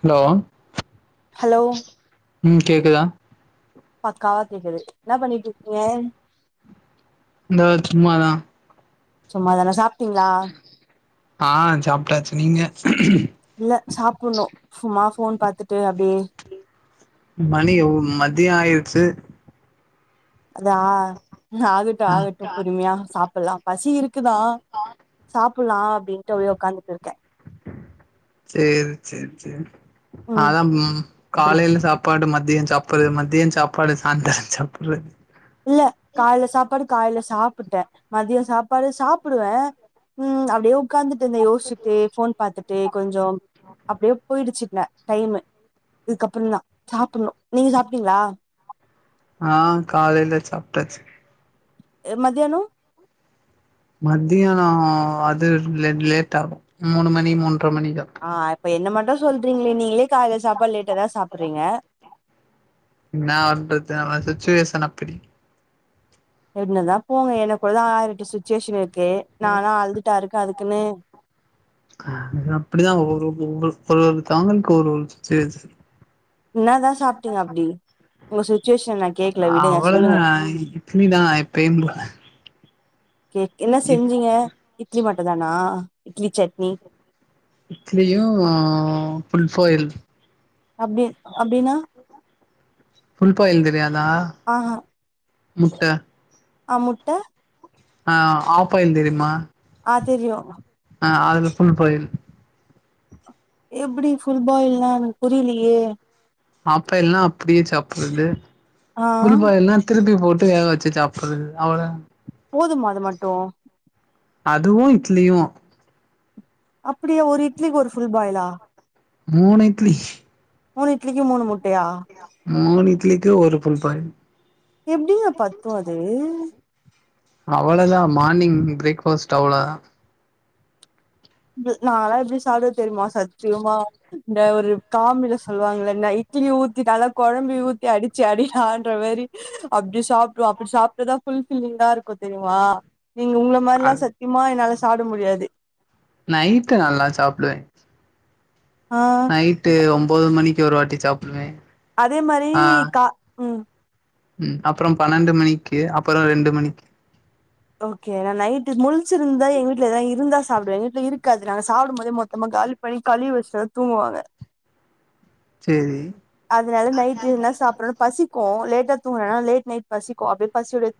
Hello hello உம் கேக்குதா பக்காவா கேக்குது என்னா பண்ணிட்டு இருக்கீங்க இந்த சும்மா தான் சும்மாதான சார் சாப்பிட்டீங்களா ஆஹ் சாப்பிட்டாச்சு நீங்க இல்ல சாப்பணும் சும்மா போன் பார்த்துட்டு அப்படியே மணி எவ் மதிய ஆயிடுச்சு அதா ஆகட்டும் ஆகட்டும் பொறுமையா சாப்பு இப்பலாம் [inaudible] அப்டின்ட்டு அப்டியே உக்காந்துட்டு இருக்கே சேரி சேரி சேரி அதா ம் அப்டி காலைல சாப்பாடு மத் திய சாப்புறது மதிய சாப்பாடு சாந்தர சாப்புர்றது இல்ல கால்ல சாப்பாடு கால்ல சாப்புட்டே மதிய சாப்பாடு சாப்புடுவே உம் அப்டியே உக்காந்து ட்டுந்தே யோசுசிட்டே ஃபோன் பாத்துட் டே கொஞ்சம் அப்டியே போயிடுச்சு இல டைமு இதுக்கப்றந்தா சாப்புன்ணு நீங்க சாப்ட்டீங்ளா ஆ காலைல சாப்ட்டாச்சு மதியானொ மத்தியானொ அது லெட் லேட் ஆகு மூணு மணி மூன் ஆ இப்ப என்ன மட்டு சொல்றீங்களே நீங்களே காலெல சாப்பாடு லேட்டாதா சாப்புறீங்க என்னா வண்றது நம்ம சுச்சுவேஷன் அப்பிடி என்னதா போங்க எனக்கூட தா ஆயிரெட்டு சுச்சுவேஷனுரு க்கு நாலா அழுதுட்டா இரு கெ அதுக்குன்னு அது அப்புடிதா ஒரு ஒரு தவ்ங்களுக்கு ஒரு ஒரு சுச்சிவேஷன் என்னாதா சாப்ட்டீங்க அப்டி உங்க‌ சுச்சுவேஷ அவ்வளதா இட்லிதா எப்பயும் போல கேக் என்ன இட் செஞ்சீங்க இட்லி மட் டுதானா இட்லி சட்னி இட்லியு ஃபுல்ஃபாயில் அப்டி அப்டின்னா ஃபுல் பாயில் தெரியா தா ஆஹா முட்ட ஆ முட்ட ஆ ஆஃப் பாயில் தெரிம்மா ஆ தெரியு ஆ அது ஃபுல்பாயில் எப்புடி ஃபுல் பாயில்னா என புரிலயே ஆஃபாயில்னா அப்புடியே சாப்புர்றது ஆ ஃபுல்பாயல்னா திருப்பி போட் டு வே வச்சு சாப்புர்றது‌ அவ்ளதா போதுமா அது மட்டு அதுவு இட்லியு அப்டியா ஒரு இட்லிக்கு ஒரு ஃபுல் பாய்லா மூண் இட்லி மூணு இட்லிக்கு மூணு மு டயா மூணு இட்லிக்கு ஒரு ஃபுல் ஃபாயில் எப்டிங்க பத்து அது [inaudible] அவ்வளதா மார்னிங் பிரேக்ஃபாஸ்ட் அவ்ளதா பு நால்லா எப்பிடி சாப்டுவே தெரிமா சத்தியமா இந்த ஒரு காமில சொல்லுவாங்கள்ள ந இட்லி ஊத்தி நல்லா கொழம்பி ஊத்தி அடிச்சு அடிடான்ற மாரி அப்டி சாப்டுவோ அப்டி சாப்டதா ஃபுல்ஃபில்லிங்கா இருக்கு தெரியிமா நீங்க உங்ள அ மார்லா சத்யமா என்னால சாப்ட முடியாது நைட்டு நல்லா சாப்டுவே ஆ நைட்டு் ஒம்போது மணி க்கி ஒருவாட்டி சாப்புடுவே அதே மாரி கா ம் ம் அப்றம் பன்னெண்டு மணிக்கு அப்பறொ ரெண்டு மணிக்கு ஓகே நா நைட்டு் முழிச்சுருந்தா எங்க வீட்ல எதா இருந்தா சாப்டுவே எங்க வீட்ல இருக்காது நாங்க சாப்டும் போதே மொத்தமா காலி பண்ணி கழிவி வச்சுட்டுதா தூங்குவாங்க சேரி அதுனால நைட்டு என்ன சாப்புரணு பசிக்கு லேட் டா தூங்குறனா லேட் நைட் பசிக்கு அப்டியே பசியோடவே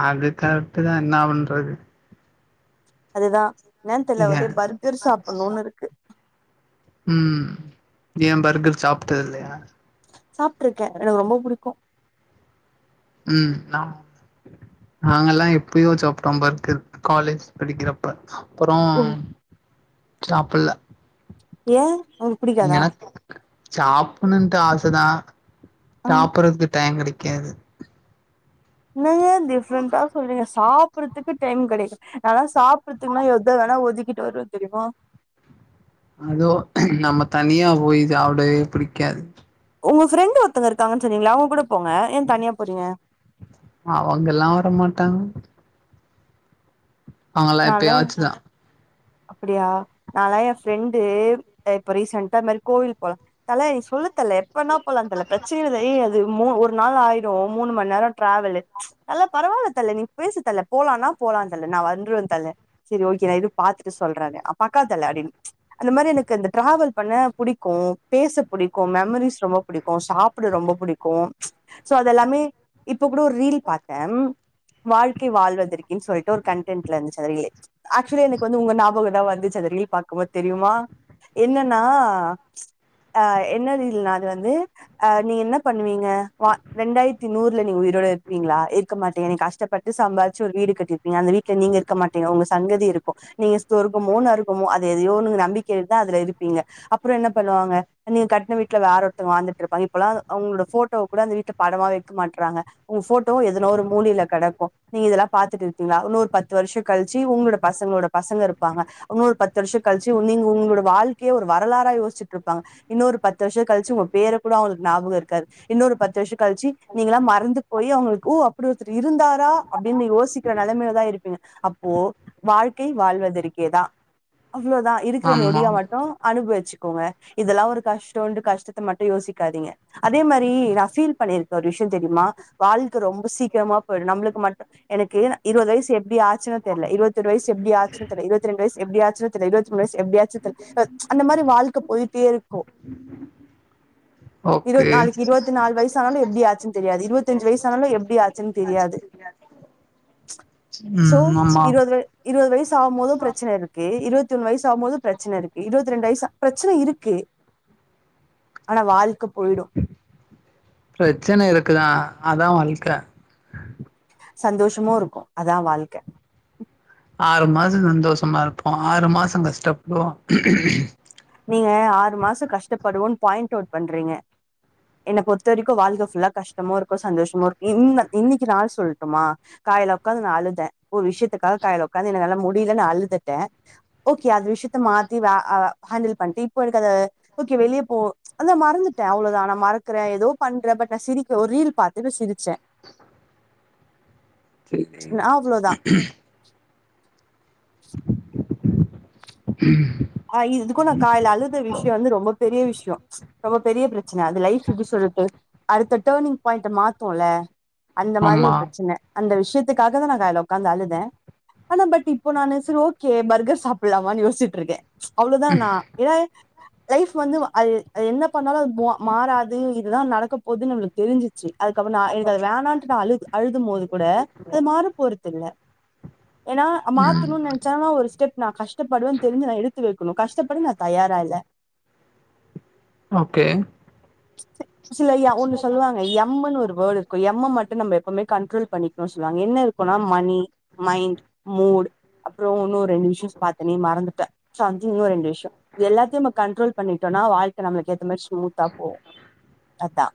அது கரெக்ட்டு தா இன்னா பண் றது அதுதா என்னான் தெர்ல ஏ ஒரே பர்கர் சாப்புன்னூனு இருக்கு ம் ஏ பர்கர் சாப்ட்டதில்லயா? சாப்ட்டுருக்கே எனக்கு ரொம்ப புடிக்கு ம் நாங்கல்லா எப்பயோ சாப்ட்டோ பர்கர் காலேஜ் படிக்கிறப்ப அப்புறோ ஓ சாப்புல்ல ஏ உங்களுக்கு புடிக்காதா எனக்கு சாப்புணுன்ட்டு ஆசதா ஆ சாப்புறதுக்கு டைம் கெடைக்காது [unintelligible] டிஃப்ரெண்டா சொல்றீங்க சாப் புறதுக்கு டைம் கெடைக்கு நாலா சாப்புறத்துக்னா எத வேணா ஒதுக்கிட்டு வருவெ தெரியுமா அதோ நம்ம தனியா போயி சாப்டவே பிடிக்காது உங்க ஃப்ரெண்ட் ஒருத்தங்க இருக்காங்கன் சொன்னீங்கல அவுங் கூட போங்க ஏ தனியா போறீங்க அவுங்கல்லா வரமாட்டாங்க அவுங்கல்லா எப்பயாச்சுதா அப்படியா நாலா என் ஃப்ரெண்டு இப்ப ரீசெண்ட்டா இது மாரி கோயில் போலா. தல நீ சொல்லு தல. பண்ணா போலாந்தல பிரச்சன இல்ல ஏ அது மூ ஒரு. நாள் ஆயிரு மூணு மணி நேரோ ட்ரேவல்லு ம்ச் அதுல்லா பரவால்ல தல நீ பேசு தலபோலானா போலாந்தல நா வந்துருவ தல செரி ஓகே எது. பாத்துட்டு சொல்றனு அ பக்காத்தல ஆப்டின்னு ம்ச். அந்த மாரி எனக்கு அந்த டிராவல் பண்ண புடிக்கு பேச புடிக்கு மெமரிஸ் ரொம்ப புடிக்கு சாப்புட ரொம்ப புடிக்கு ம்ச் சோ அதெல்லாமே இப்ப கூட ஒரு ரீல் பாத்த வாழ்க்கை வாழ்வதற்கு. ன்னு சொல்லிட்டு ஒரு கன்டென்ட்ல இருந்துச்சி. [unintelligible] ம்ச் ஆச்சுலி எனக்கு. இப்ப வந்து உங்க ஞாபகோதா வந்துச்சு அந்த ரீல் பாக்கும்போது தெரியுமா. என்னன்னா ம்ச் என்ன ரீல்னா அது வந்து நீ என்ன பண்ணுவீங்க வ ரெண்டாயிரத்தி நூறுல நீங்க. எங்களோட இருப்பீங்களா இருக்க மாட். டீங்க நீங்க கஷ்டப்பட்டு சம்பாதிச்சு ஒரு வீடு கட்டிருப்பீங்க அந்த வீட்டுல நீங்க இருக்க மாட்டீங்க உங்க சங்கதி இருக்கு. நீயூஸ். சொர்கமோ நரகமோ அது எதையோ ஒண்ண நம்பி. [unintelligible] இருப்பீங்க அப்புறோ என்ன பண்ணுவாங்க நீங்க கட்ன வீட்ல வேற ஒருத்தவங்க வாழ்ந்துட்டு இருப்பாங்க இப்பெல்லா அவங்களோட போட்டோ கூட அந்த வீட்ல படமா வைக்க மாட்டாற்றாங்க உங்க போட். டோ எதனோ ஒரு மூலைல கெடக்கு. நீங்க இதெல்லா பாத்துட்டு இருப்பீங்களா உன்னொரு பத்து வருஷோ கழிச்சு உங்களோட பசங்களோட. பசங்க இருப்பாங்க ஒன்னொரு பத்து வருஷோ. கழிச்சு நீங்க உங்களோட வாழ்க்கையே ஒரு வ. வரலாரா யோசிச்சிட்டு இருப்பாங்க இன்னொரு. பத்து வருஷோ கழிச்சு உங்க உங்க பேர கூட அவங்களுக்கு ஞாபகோ இருக். காது இன்னொரு பத்து வருஷம். கழிச்சி நீங்களாம் மறந்து போய் அவங்களுக்கு. ஓ அப்படி ஒரு. த்துரு இருந்தாரா அப்படின்னு யோசிக்கிற நெலமையிலதா இருப்பீங்க அப்போ வாழ். க்கை வாழ்வதருக்கேதா. அவ்வளோதா இருக்கிற ஆமா நொடிய மட்டு அனுபவிச்சு. கோங்க இதெல்லா ஒரு கஷ்டோன்ட்டு கஷ்டத்த மட்டு யோசிகாதிங்க. அது மாரி நா ஃபீல் பண்ணிருக்க ஒரு விஷயமோ தெரியுமா. வாழ்க்க ரொம்ப சீக்கிரமா போயுடு நம்மளுக்கு மட்டு. எனக்கு இருவது வயசு எப்படி ஆச்சுன்னே தெரியல இருவது. எப்படி ஆச்சுன்னு தெரியல இருபத்தி ரெண்டு வயசு. எப்டி ஆச்சுனே தெர்ல இருபத். வயசு எப்படியாச்சுனே தெர்ல. ம்ச் அந்த மாரி வாழ்க்க போயிட்டே இருக்கு. இரு ஓகே நாளைக்கு இருபத்தி நாலு வயசு ஆனாலு எப்படி ஆச்சுன்னு தெரியாது இருபத்தஞ்சு வயசு ஆனாலு எப்படி ஆச்சுன்னு தெரியாது ம்ச் சோ ம் ஆமா இருவது. இருவது வயசு ஆகும்போது பிரச்சனை இருக்கு இருத்வதி ஒன்னு வ. வயசு ஆகும்போது பிரச்சனை இருக்கு இருபத்தி ரெண்டு வயசு பிரச்சன இருக்கு. ஆனா வாழ்க்கப். பிரச்சன இருக்குதா. அதா வாழ்க்க. சந்தோஷமு இருக்கு. அதா வாழ்க்க. ஆறு மாசோ சந்தோஷமா இருப்போ ஆறு மாசோ கஷ்டப்படுவோ. நீங்க ஆறு மாசோ கஷ்டப்படுவோன்னு பாயிண்ட் அவுட் பண்றீங்க என்ன பொறுத்த வரைக்கு வாழ்க்க ஃபுல்லா கஷ்டமு இருக்கு சந்தோஷமு இருக்கு. இன்னிக்கு நாள் சொல்லட்டுமா காலை உக்காந்து நா அழுத ஒரு விஷயத்துக்காக காலை உக்காந்து என்னால்ல முடியல நா அழுதுட்ட. ஓகே அது விஷயத்த மாத்தி ஆ. ஹேண்டில் பண்ட்டு இப்போ எனக்கு ஓகே வெளிய போனும் அந்த மறந்துட்டேன் அவ்வளோதா ஆன மற க்கறேன் ஏதோ பண்றேன் பட் நான் சிரிக்க ஒரு ரீல் பாத்துட்டு சிரிச்சேன் சரி அ இதுக்கும் நான் காலைல அழுத விஷயம் வந்து ரொம்ப பெரிய விஷயம் ரொம்ப பெரிய பிரச்சனை அது லைஃப் எப்படி சொல்றது அடுத்த டர்னிங் பாயிண்ட் மாத்தும்ல அந்த மாரி ஆமா ஒரு பிரச்சனை அந்த விஷயத்துக்காக தான் நான் கால உக்காந்து அழுதேன் ஆனா பட் இப்போ நான் ஓகே பர்கர் சாப்பிடலாமான்னு யோசிச்சிட்டு இருக்கேன் அவ்வளோதான் நா லைஃப் வந்து என்ன பண்ணாலும் மாறாது இதெல்லாம் நடக்க போதுன்னு நம்மளுக்கு தெரிஞ் அதுக்கப்றம் நான் எனக்கு அது வேணான்னு நான் அழு அழுது போது கூட அது மாற போறதுல்ல ஏன்னா ம் மாத்தணும்னு நெனைசன்னா ஒரு ஸ்டெப் நான் கஷ்டப்படுவேன்னு தெரிஞ்சு நான் எடு இப்டி இருக்கணும் கஷ்டப்பட நான் தயாராயில்லை ஓகே [inaudible] சில ஐயா ஒண்ணு சொல்லுவங்க எம்ன்னு ஒரு வேர்டு எம்மு மட்டும் நம்ம எப்பவுமே கண்ட்ரோல் பண்ணிக்கணும் சொல்லுவாங்க என்ன இருக்கும்னா மணி மைண்ட் மூடு அப்புறம் இன்னொரு ரெண்டு விஷயம் பாத்தேனே மறந்துட்டன் [unintelligible] இது எல்லாத்தையும் நம்ம கண்ட்ரோல் பண்ணிட்டோம்னா வாழ்க்கை நம ஏத்த மாரி ஸ்மூத்தா போகும் அதான்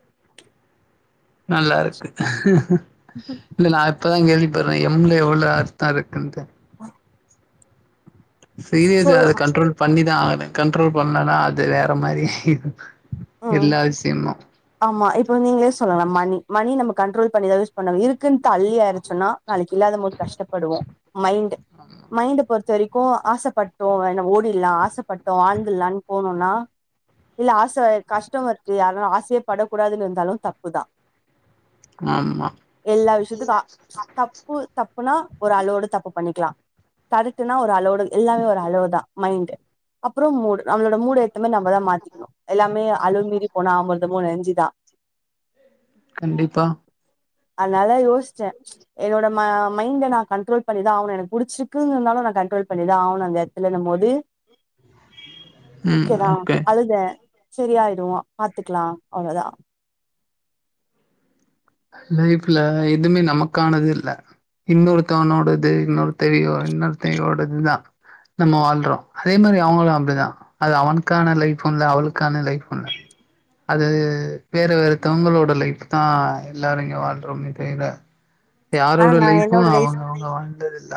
நல்லா இருக்கு இல்ல நான் இப்பதான் கேள்வி பர்ரன் எம்ள எவ்ளோ அர்தமா இருக்குன்ட் சீரியஸ் சோ அது கண்ட்ரோல் பண்ணி தா ஆகனு கண்ட்ரோல் பண்ணலனா அது வேற மாரியாயிடும் ம் ஆமா இப்ப நீங்களே சொல்லலாம் மணி மணி நமக் கண்ட்ரோல் பண்ணிதான் யூஸ் பண்ணணும் இருக்குன்டு அள்ளியிரது சொன்னா நாளைக்கு இல்லாத போது கஷ்டப்படுவோம் மைண்ட் மைண்ட் பொறுத்த வரைக்கும் கோ ஆசைப்பட்டோம் என்னா ஓடிலாம் ஆசைப்பட்டோம் வாழ்ந்துடலான்னு போனும்னா இல்ல ஆசை கஷ்டம் இருக்கு யாரும் ஆசையை படக்க கூடாதுன்னு இருந்தாலும் தப்பு தான் ஆமா எல்லா விஷயத்துக்கும் ஆ தப்பு தப்புனா ஒரு அளவோடு தப்பு பண்ணிக்கலாம் கரெட்னா ஒரு அளோடு எல்லாமே ஒரு அளவு தான் மைண்ட் அப்புறம் மூடு நம்ளோட மூடு ஏத்தமே நம்ம தான் மாத்திக்கணும் எல்லாமே அளவு மீறி போன அமிர்தமு நஞ்சு அதான் கண்டிப்பா அன்னால யோசுச்சே என்னோட ம மைண்ட நா கண்ட்ரோல் பண்ணிதா ஆவணு எனக்கு புடிச்சிர்க்குன் இருந்தாலு நா கண்ட்ரோல் பண்ணிதா ஆவணு அந்த எட்த்துலன்னும் போது ம் ஓகேதா ஓகே அழுதே சரியாயிடு பாத்துக்லா அவ்ளதா லைஃப்ல எதுமே நமக்கானதில்ல இன்னொருத்தவனோடது இன்னொரு தவயோ இன்னொருதவயோடதுதா நம்ம வாழ்றோ அதே மாரி அவுங்களுக்கு அப்டிதா அது அவனுக்கான லைஃபுல்ல அவளுக்கான லைஃபுல்ல அது வேற வேற தவுங்களோட லைஃப் தா எல்லாரு இங்க வாழ்றோமே தெவிர ஆனா யாரோட நா லைஃப்பு என்னோட லைஃப் அவுங்கவுங்க வாழ்ரதில்ல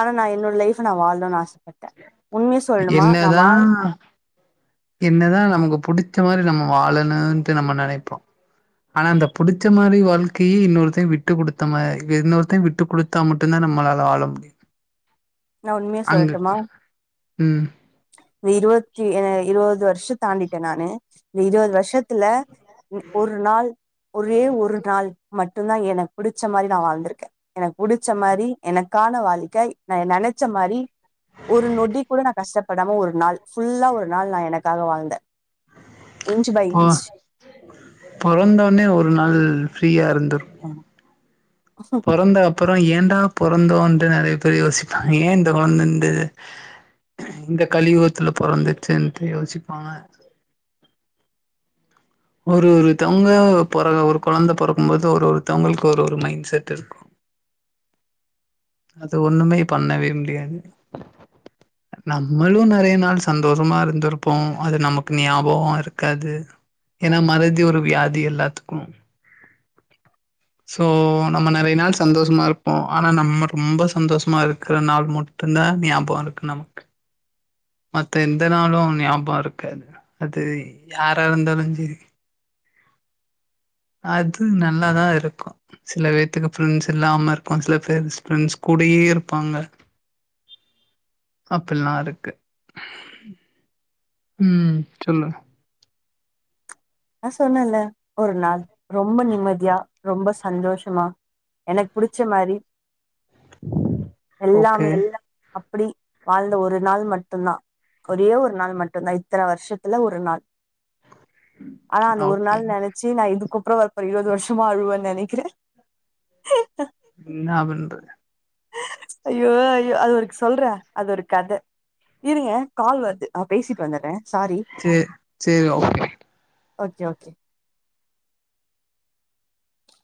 ஆனா நா என்னோட லைஃப நா வாழ்ணுன் ஆசப்பட்டே உண்மைய சொல்லணுமா நா என்னதா வாழ் என்னதா நமக்கு புடு ச்ச மாரி நம்ம வாழணுன்ட்டு நம்ம நெனைப்போ ஆனா அந்த புடுச்ச மாரி வாழ்க்கையே இன்னொருத்தெ விட்டு குடுத்த மா இன்னொருத்தெ விட்டு குடுத்தா மட்டுந்தா நம்மளால வாழ முடியும்‌. நா உண்மைய சொல்லட்டுமா ம் இருவத்தி அ இருவது வருஷம் தாண்டிடேன் நானு இருவது வருஷத்துல உ ஒரு நாள் ஒரே ஒரு நாள் மட்டும் தா எனக்கு புடிச்ச மாரி நா வாழ்ந்திருக்கேன் எனக்கு புடிச்ச மாரி எனக்கான வாழ்க்கை நா நெனைச்ச புடிச்ச மாரி ஒரு நொடி கூட நா கஷ்டப்படாம ஒரு நாள் ஃபுல்லா ஒரு நாள் நா எனக்காக வாழ்ந்தேன் போ பெறந்தோனே ஒரு நாள் ஃப்ரீயா இருந்திருக்கும் பொறந்த அப்றோ ஏண்டா பொறந்தோட்டு நெறைய பேர் யோசிப்பாங்க ஏன் இந்த கொழுந்த இந்த இந்த கலியுகத்துல பிறந்துச்சின்ட்டு யோசிப்பாங்க ஒரு ஒருத்தவங்க பொற ஒரு கொழந்தை பொறக்கும்போது ஒரு ஒருத்தவங்களுக்கு ஒரு ஒரு மைண்ட் செட் இருக்கும் அது ஒண்ணுமே பண்ணவே முடியாது நம்மளும் நெறைய நாள் சந்தோஷமா இருந்திருப்போம் அது நமக்கு ஞாபகமா இருக்காது ஏன்னா மறதி ஒரு வியாதி எல்லாத்துக்கும் சோ நம்ம நெறைய நாள் சந்தோஷமா இருப்போம் ஆனா நம்ம ரொம்ப சந்தோஷமா இருக்கிற நாள் மட்டும் தா ஞாபகம் இருக்கு நமக்கு மத்த எந்த நாளும் ஞாபகம் இருக்காது அது யாரா இருந்தாலும் செரி அது நல்லாதான் இருக்கும் சில பேத்துக்கு ஃப்ரெண்ட்ஸ் இல்லாம இருக்கும் சில பேருக்கு ஃப்ரெண்ட்ஸ் கூடவே இருப்பாங்க அப்டிலாம் இருக்கு ம் சொல்லு ஆ சொன்னன்ல ஒரு நாள் ரொம்ப நிம்மதியா ரொம்ப சந்தோஷமா எனக்கு புடிச்ச மாரி ஓகே எல்லாமே அப்டி வாழ்ந்த ஒரு நாள் மட்டும் தான் ஒரே ஒரு நாள் மட்டும்தான் இத்தனை வருஷத்துல ஒரு நாள் ஆனா அந்த ஒரு ஓகே நாள் நினைச்சு நா இது குப்புரவப்ப இருபது வருஷமா அழுவன்னு நெனைக்கிறேன் என்னா பண்றது ஐயோ ஐயோ அது ஒருக் சொல்றே அது ஒரு கதை இருங்க கால் வருது நா பேசிட்டு வந்துடுறேன் செரி செரி ஒகே ஓகே ஓகே